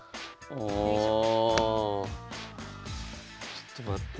ちょっと待って。